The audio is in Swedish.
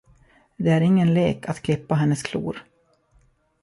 Det är ingen lek att klippa hennes klor!